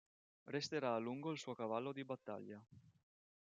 Resterà a lungo il suo cavallo di battaglia.